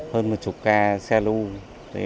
hơn một chục ca xe lưu